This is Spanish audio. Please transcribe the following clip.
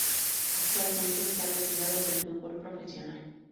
Actualmente está retirado del fútbol profesional.